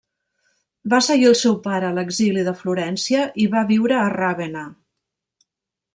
Va seguir el seu pare a l'exili de Florència i va viure a Ravenna.